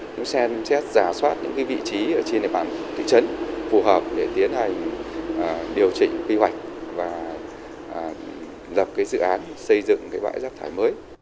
cũng xem xét giả soát những vị trí trên địa bàn thị trấn phù hợp để tiến hành điều chỉnh quy hoạch và dập dự án xây dựng bãi rác thải mới